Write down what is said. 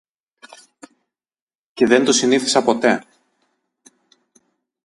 Και δεν το συνήθισα ποτέ.